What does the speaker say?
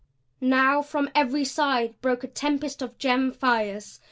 Now from every side broke a tempest of gem fires.